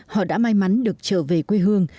họ đã may mắn được trở về quê hương